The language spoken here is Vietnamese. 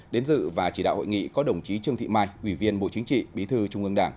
đến dự và chỉ đạo hội nghị có đồng chí trương thị mai ủy viên bộ chính trị bí thư trung ương đảng